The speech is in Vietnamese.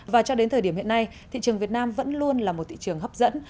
và cho đến thời điểm hiện nay thị trường việt nam vẫn luôn là một thị trường hấp dẫn